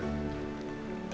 sesuatu yang baik